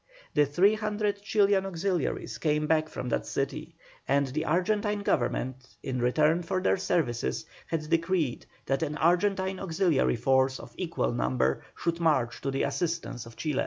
The 300 Chilian auxiliaries came back from that city, and the Argentine Government, in return for their services, had decreed that an Argentine auxiliary force of equal number should march to the assistance of Chile.